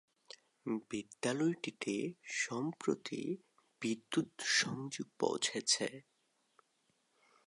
বিদ্যালয়টিতে সম্প্রতি বিদ্যুৎ সংযোগ পৌঁছেছে।